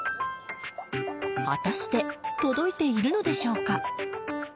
果たして届いているのでしょうか。